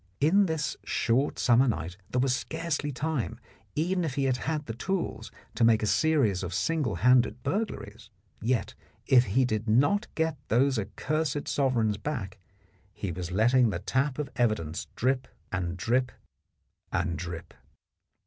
In this short summer night there was scarcely time, even if he had had the tools, to make a series of single handed burglaries, yet if he did not get those accursed sovereigns back, he was letting the tap of evidence drip and drip and drip.